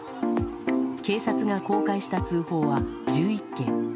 警察が公開した通報は１１件。